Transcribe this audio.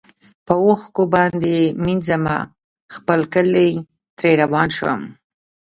په اوښکو باندي مینځمه خپل کلی ترې روان شم